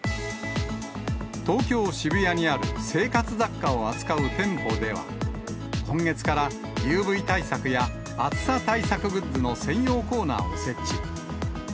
東京・渋谷にある生活雑貨を扱う店舗では、今月からＵＶ対策や暑さ対策グッズの専用コーナーを設置。